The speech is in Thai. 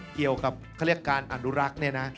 เกี่ยวกับเขาเรียกการอนุรักษ์เนี่ยนะ